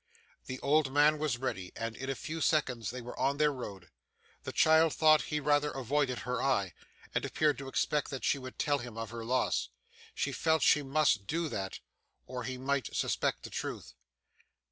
The old man was ready, and in a few seconds they were on their road. The child thought he rather avoided her eye, and appeared to expect that she would tell him of her loss. She felt she must do that, or he might suspect the truth.